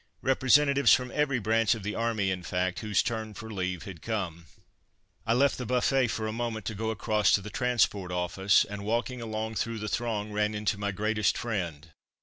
Representatives from every branch of the Army, in fact, whose turn for leave had come. I left the buffet for a moment to go across to the Transport Office, and walking along through the throng ran into my greatest friend.